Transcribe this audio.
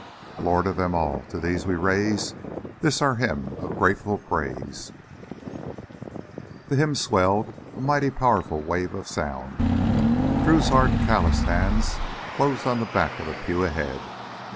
"Lord of all, to Thee we raise This our Hymn of grateful praise." The hymn swelled, a mighty, powerful wave of sound. Drew's hard, calloused hands closed on the back of the pew ahead.